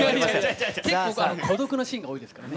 結構孤独なシーンが多いですから。